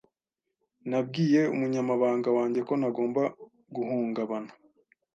Nabwiye umunyamabanga wanjye ko ntagomba guhungabana.